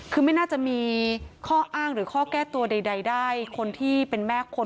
คือไม่น่าจะมีข้ออ้างหรือข้อแก้ตัวใดได้คนที่เป็นแม่คน